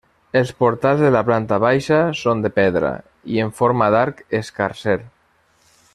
Els portals de la planta baixa són de pedra i en forma d'arc escarser.